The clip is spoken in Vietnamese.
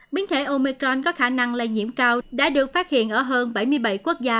biến thể omecron có khả năng lây nhiễm cao đã được phát hiện ở hơn bảy mươi bảy quốc gia